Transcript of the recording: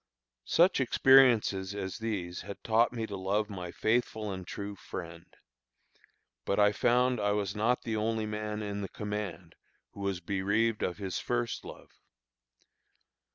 Such experiences as these had taught me to love my faithful and true friend. But I found I was not the only man in the command who was bereaved of his first love.